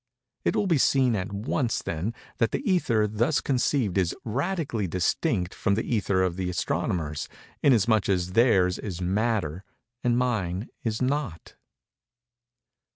It will be seen, at once, then, that the ether thus conceived is radically distinct from the ether of the astronomers; inasmuch as theirs is matter and mine not.